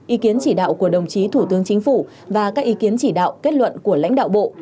ý kiến chỉ đạo của đồng chí thủ tướng chính phủ và các ý kiến chỉ đạo kết luận của lãnh đạo bộ